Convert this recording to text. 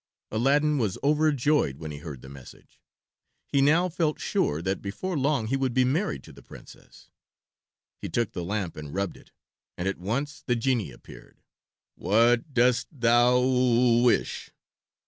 Aladdin was overjoyed when he heard the message. He now felt sure that before long he would be married to the Princess. He took the lamp and rubbed it, and at once the genie appeared. "What dost thou wish?"